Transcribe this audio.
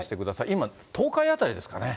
今、東海辺りですかね。